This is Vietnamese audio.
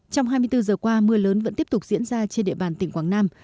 trong hai mươi bốn giờ qua mưa lớn vẫn tiếp tục diễn ra trên địa bàn tỉnh quảng nam